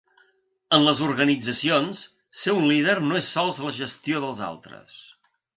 En les organitzacions, ser un líder no es sols la gestió dels altres.